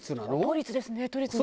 都立ですね都立の。